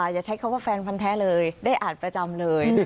อย่าใช้คำว่าแฟนพันธ์แท้เลยได้อ่านประจำเลย